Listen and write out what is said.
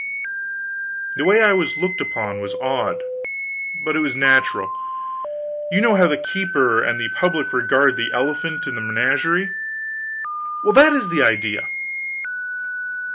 The way I was looked upon was odd, but it was natural. You know how the keeper and the public regard the elephant in the menagerie: well, that is the idea.